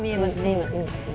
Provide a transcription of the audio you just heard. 今。